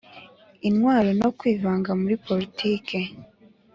intwaro no kwivanga muri politiki